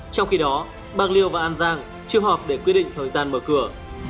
trong khi đó bạc liêu và an giang chưa họp để quyết định thời gian mở cửa